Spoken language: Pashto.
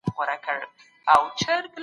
آیا دا کيسه په رښتيا پېښه سوې وه؟